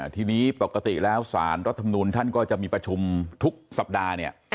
ทีนี้ปกติแล้วสารรัฐมนุนท่านก็จะมีประชุมทุกสัปดาห์เนี่ย